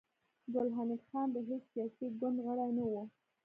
ګل حمید خان د هېڅ سياسي ګوند غړی نه و